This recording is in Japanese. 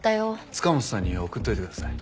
塚本さんに送っといてください。